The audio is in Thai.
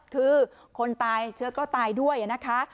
คือคนตายเชื้อก็ตายด้วยนะคะ